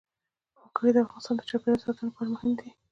وګړي د افغانستان د چاپیریال ساتنې لپاره مهم دي.